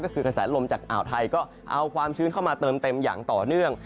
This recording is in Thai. ก็คือกระแสลมจากอ่าวไทยก็เอาความชื้นเข้ามาเติมเต็มอย่างต่อเนื่อง